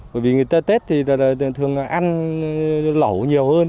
bởi vì tết thì thường ăn lẩu nhiều hơn